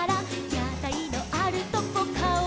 「やたいのあるとこかおをだす」